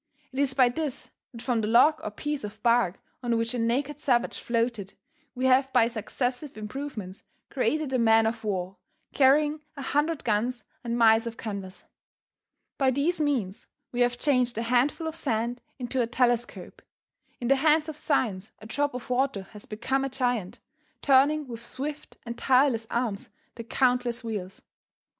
It is by this that from the log or piece of bark on which a naked savage floated, we have by successive improvements created a man of war carrying a hundred guns and miles of canvas. By these means we have changed a handful of sand into a telescope. In the hands of science a drop of water has become a giant, turning with swift and tireless arm the countless wheels.